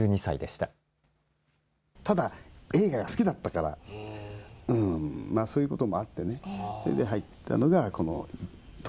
ただ映画が好きだったからそういうこともあってね。